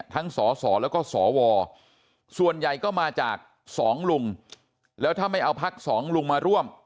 สสแล้วก็สวส่วนใหญ่ก็มาจากสองลุงแล้วถ้าไม่เอาพักสองลุงมาร่วม